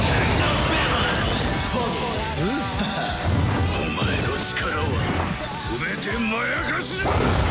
お前の力は全てまやかしだーっ！